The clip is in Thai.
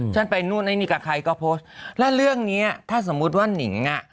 ไปนู่นไอ้นี่กับใครก็โพสต์แล้วเรื่องเนี้ยถ้าสมมุติว่านิงอ่ะ